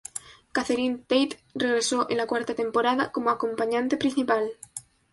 Catherine Tate regresó en la cuarta temporada como acompañante principal.